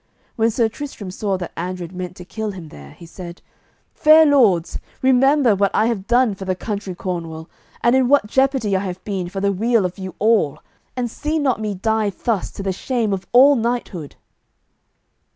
When Sir Tristram saw that Andred meant to kill him there, he said: "Fair Lords, remember what I have done for the country Cornwall, and in what jeopardy I have been for the weal of you all, and see not me die thus to the shame of all knighthood."